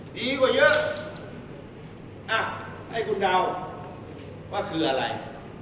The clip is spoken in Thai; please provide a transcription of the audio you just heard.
ดีกว่าเยอะอ่ะให้คุณเดาว่าคืออะไร